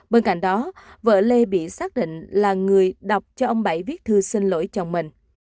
bên cạnh đó vợ lê bị xác định là người đọc cho ông bảy viết thư xin lỗi chồng mình